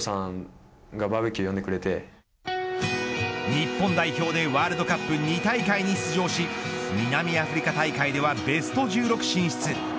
日本代表でワールドカップ２大会に出場し南アフリカ大会ではベスト１６進出。